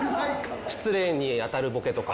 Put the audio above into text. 失礼にあたるボケとか。